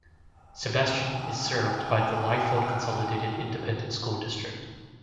Sebastian is served by the Lyford Consolidated Independent School District.